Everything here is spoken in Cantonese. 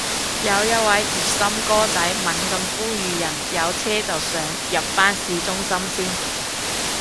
有另一位熱心哥仔猛咁呼籲人有車就上，入返市中心先